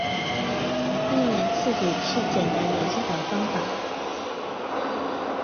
避免刺激是简单有效的方法。